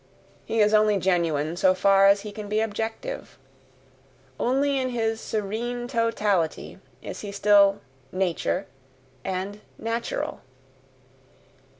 He is only genuine so far as he can be objective; only in his serene totality is he still "nature" and "natural."